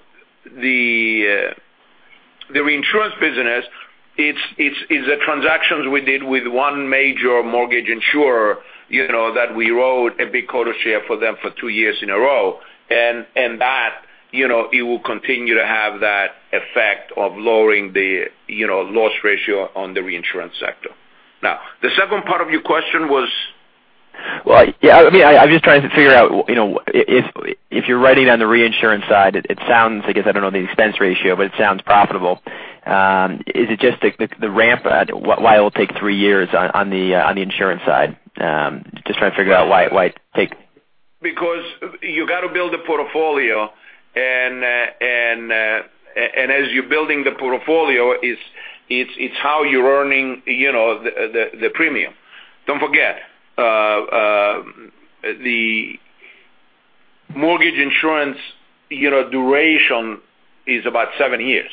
reinsurance business, it's the transactions we did with one major mortgage insurer, that we wrote a big quota share for them for two years in a row. That, it will continue to have that effect of lowering the loss ratio on the reinsurance sector. The second part of your question was? Well, yeah, I'm just trying to figure out, if you're writing on the reinsurance side, it sounds, I guess I don't know the expense ratio, but it sounds profitable. Is it just the ramp why it will take three years on the insurance side? Just trying to figure out why it take? You got to build a portfolio and as you're building the portfolio, it's how you're earning the premium. Don't forget, the mortgage insurance duration is about seven years.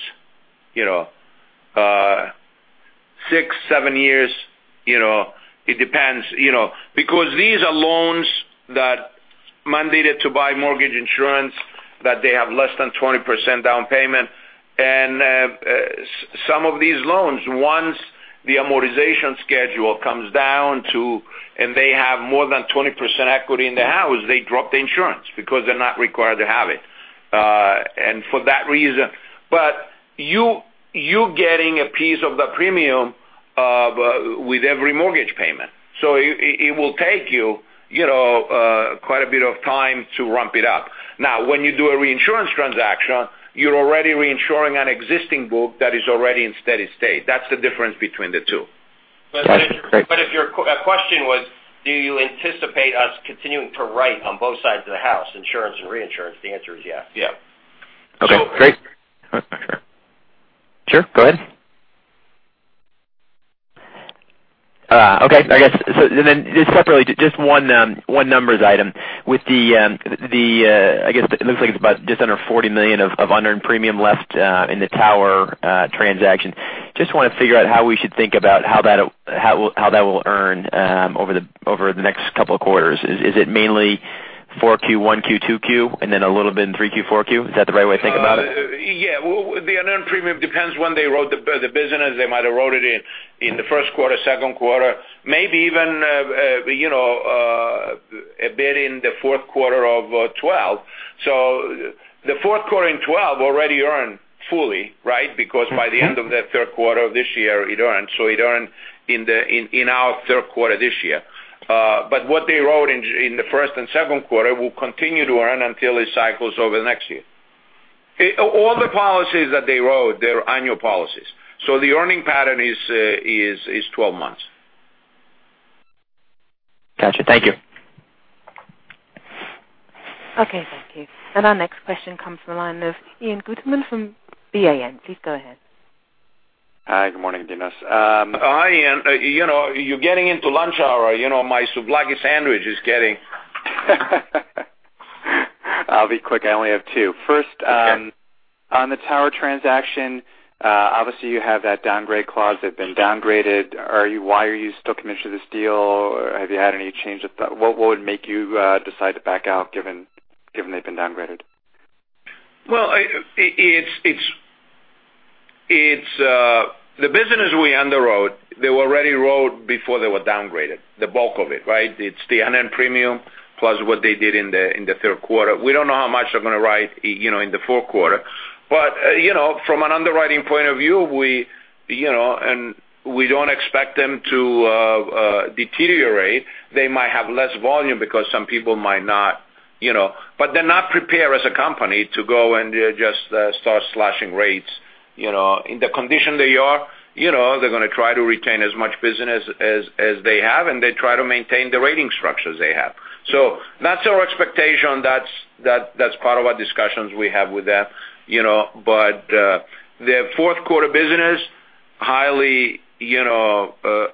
Six, seven years, it depends. These are loans that mandated to buy mortgage insurance, that they have less than 20% down payment. Some of these loans, once the amortization schedule comes down to, and they have more than 20% equity in the house, they drop the insurance because they're not required to have it. For that reason, you getting a piece of the premium with every mortgage payment. It will take you quite a bit of time to ramp it up. When you do a reinsurance transaction, you're already reinsuring an existing book that is already in steady state. That's the difference between the two. Got it. Great. If your question was, do you anticipate us continuing to write on both sides of the house, insurance and reinsurance? The answer is yes. Yes. Just separately, just one numbers item. With the, I guess it looks like it's about just under $40 million of unearned premium left in the Tower transaction. Just want to figure out how we should think about how that will earn over the next couple of quarters. Is it mainly for Q1, Q2, and then a little bit in Q3, Q4? Is that the right way to think about it? The unearned premium depends when they wrote the business. They might have wrote it in the first quarter, second quarter, maybe even a bit in the fourth quarter of 2012. The fourth quarter in 2012 already earned fully, right? Because by the end of the third quarter of this year, it earned. It earned in our third quarter this year. What they wrote in the first and second quarter will continue to earn until it cycles over the next year. All the policies that they wrote, they're annual policies. The earning pattern is 12 months. Got you. Thank you. Okay, thank you. Our next question comes from the line of Ian Gutterman from Balyasny. Please go ahead. Hi, good morning, Dinos. Hi, Ian. You're getting into lunch hour. I'll be quick. I only have two. Okay. On the Tower transaction, obviously you have that downgrade clause. They've been downgraded. Why are you still committed to this deal? Have you had any change of thought? What would make you decide to back out given they've been downgraded? Well, the business we underwrote, they already wrote before they were downgraded, the bulk of it, right? It's the unearned premium plus what they did in the third quarter. We don't know how much they're going to write in the fourth quarter. From an underwriting point of view, we don't expect them to deteriorate. They might have less volume because some people might not. They're not prepared as a company to go and just start slashing rates. In the condition they are, they're going to try to retain as much business as they have, and they try to maintain the rating structures they have. That's our expectation. That's part of our discussions we have with them. Their fourth quarter business, highly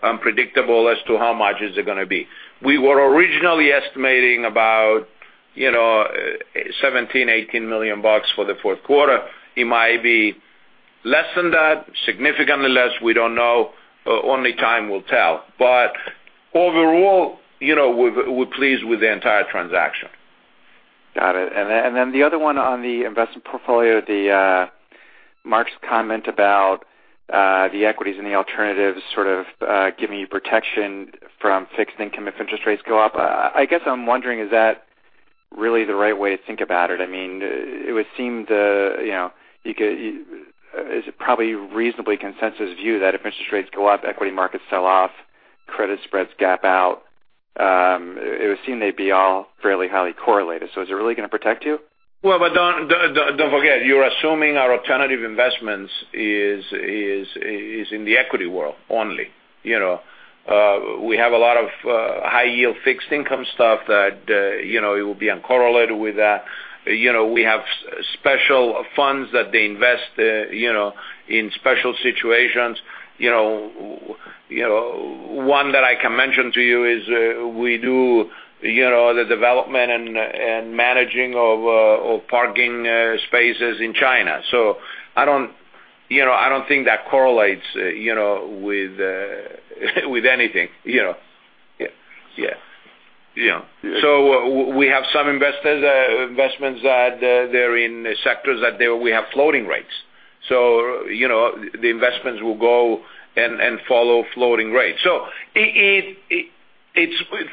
unpredictable as to how much is it going to be. We were originally estimating about $17 million-$18 million for the fourth quarter. It might be less than that, significantly less, we don't know. Only time will tell. Overall, we're pleased with the entire transaction. Got it. The other one on the investment portfolio, Mark's comment about the equities and the alternatives sort of giving you protection from fixed income if interest rates go up. I guess I'm wondering, is that really the right way to think about it? It would seem, is it probably reasonably consensus view that if interest rates go up, equity markets sell off, credit spreads gap out. It would seem they'd be all fairly highly correlated. Is it really going to protect you? Don't forget, you're assuming our alternative investments is in the equity world only. We have a lot of high yield fixed income stuff that it will be uncorrelated with that. We have special funds that they invest in special situations. One that I can mention to you is we do the development and managing of parking spaces in China. I don't think that correlates with anything. We have some investments that they're in sectors that we have floating rates. The investments will go and follow floating rates.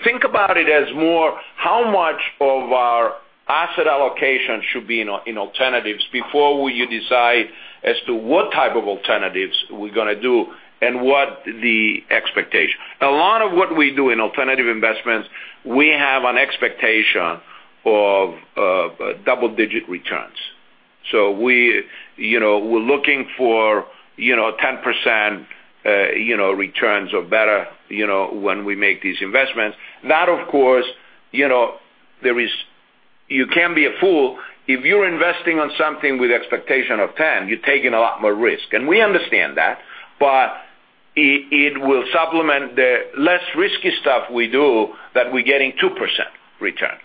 Think about it as more how much of our asset allocation should be in alternatives before you decide as to what type of alternatives we're going to do and what the expectation. A lot of what we do in alternative investments, we have an expectation of double-digit returns. We're looking for 10% returns or better when we make these investments. That, of course, you can be a fool. If you're investing on something with expectation of 10, you're taking a lot more risk. We understand that. It will supplement the less risky stuff we do that we're getting 2% return.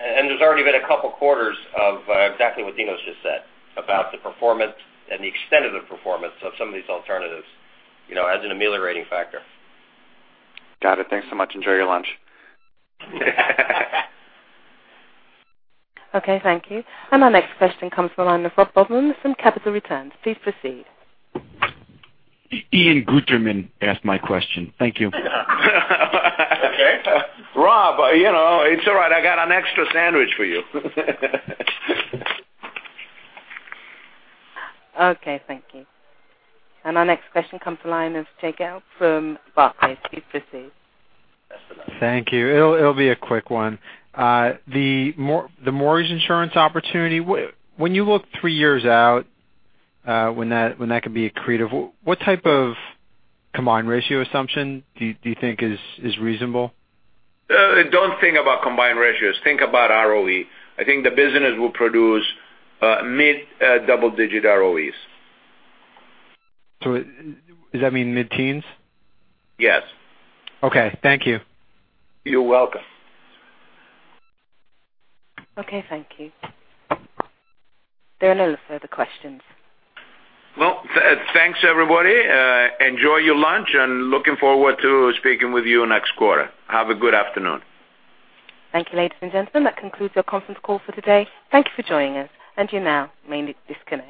There's already been a couple of quarters of exactly what Dinos just said about the performance and the extent of the performance of some of these alternatives as an ameliorating factor. Got it. Thanks so much. Enjoy your lunch. Okay. Thank you. Our next question comes from the line of Rob Bogman from Capital Returns. Please proceed. Ian Gutterman asked my question. Thank you. Rob, it's all right. I got an extra sandwich for you. Okay. Thank you. Our next question comes to line of Jay Gelb from Barclays. Please proceed. Thank you. It'll be a quick one. The mortgage insurance opportunity. When you look three years out, when that can be accretive, what type of combined ratio assumption do you think is reasonable? Don't think about combined ratios. Think about ROE. I think the business will produce mid double-digit ROEs. Does that mean mid-teens? Yes. Okay. Thank you. You're welcome. Okay. Thank you. There are no further questions. Well, thanks everybody. Enjoy your lunch. Looking forward to speaking with you next quarter. Have a good afternoon. Thank you, ladies and gentlemen. That concludes our conference call for today. Thank you for joining us. You now may disconnect.